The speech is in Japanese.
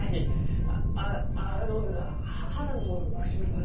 ああの波多野と藤丸は。